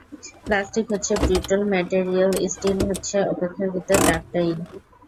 Plastic হচ্ছে brittle material, steel হচ্ছে অপেক্ষাকৃত ডাকটাইল।